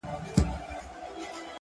اوس د شپې سوي خوبونه زما بدن خوري!!